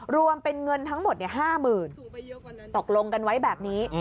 รวมเป็นเงินทั้งหมด๕๐๐๐ตกลงกันไว้แบบนี้